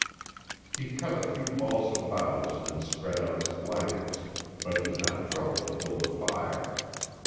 He cut a few balsam boughs and spread out his blankets, but did not trouble to build a fire.